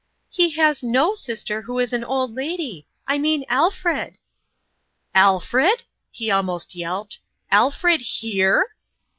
" He has no sister who is an old lady. I mean Alfred." "Alfred?" he almost yelped. "Alfred here!"